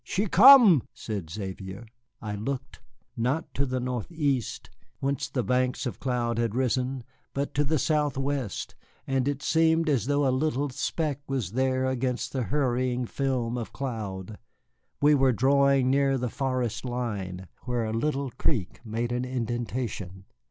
"She come," said Xavier. I looked, not to the northeast whence the banks of cloud had risen, but to the southwest, and it seemed as though a little speck was there against the hurrying film of cloud. We were drawing near the forest line, where a little creek made an indentation.